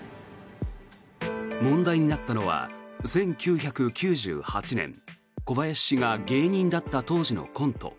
問題になったのは１９９８年小林氏が芸人だった当時のコント。